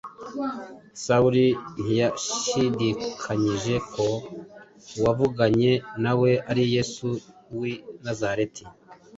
Sawuli ntiyashidikanyije ko Uwavuganye na we ari Yesu w’i Nazareti,